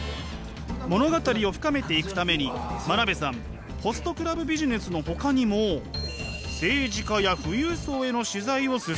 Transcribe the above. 物語を深めていくために真鍋さんホストクラブビジネスのほかにも政治家や富裕層への取材を進めているそうです！